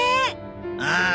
ああ。